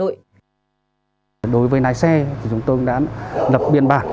đối với lái xe thì chúng tôi đã lập biên bản